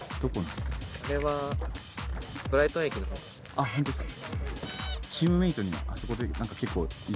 あっ本当ですか。